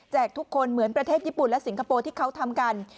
ทุกคนเหมือนประเทศญี่ปุ่นและสิงคโปร์ที่เขาทำกัน